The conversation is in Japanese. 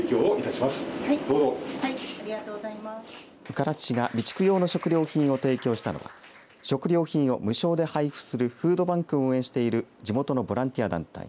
唐津市が備蓄用の食料品を提供したのは食料品を無償で配布するフードバンクを運営している地元のボランティア団体